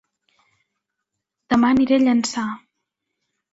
Dema aniré a Llançà